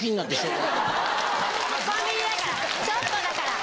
コンビニだからちょっとだから。